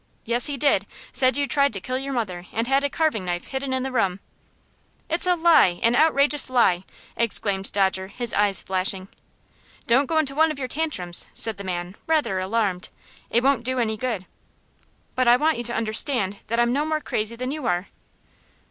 "Yes, he did said you tried to kill your mother, and had a carving knife hidden in the room." "It's a lie an outrageous lie!" exclaimed Dodger, his eyes flashing. "Don't go into one of your tantrums," said the man, rather alarmed; "it won't do any good." "But I want you to understand that I am no more crazy than you are."